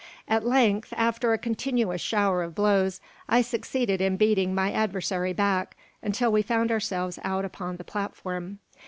At length, after a continuous shower of blows, I succeeded in beating my adversary back, until we found ourselves out upon the platform.